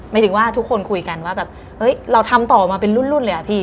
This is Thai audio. หมายถึงว่าทุกคนคุยกันว่าแบบเราทำต่อมาเป็นรุ่นเลยอะพี่